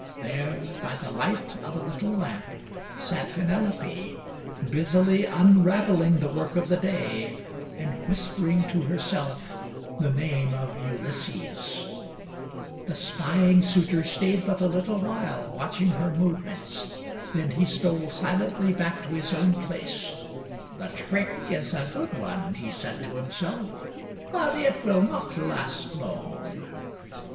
There, by the light of a little lamp, sat Penelope, busily unraveling the work of the day and whispering to herself the name of Ulysses. The spying suitor stayed but a little while, watch ing her movements. Then he stole silently back Ulysses makes himself known to Telemachus PENELOPE'S WEB 165 to his own place. " The trick is a good one," he said to himself, " but it will not last long."